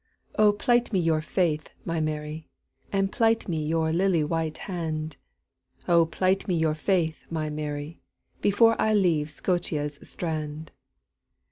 O plight me your faith, my Mary, And plight me your lily white hand;O plight me your faith, my Mary, Before I leave Scotia's strand.